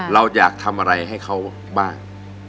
เราอยากทำอะไรให้เขาบ้าง